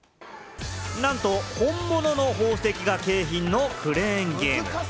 なんと本物の宝石が景品のクレーンゲーム。